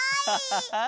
ハハハ！